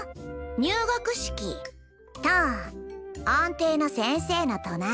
入学式と安定の先生の隣。